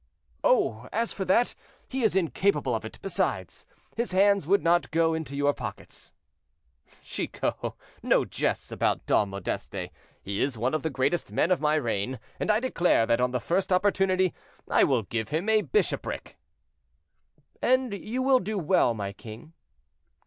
'" "Oh! as for that, he is incapable of it; besides, his hands would not go into your pockets." "Chicot, no jests about Dom Modeste; he is one of the greatest men of my reign; and I declare that on the first opportunity I will give him a bishopric." "And you will do well, my king."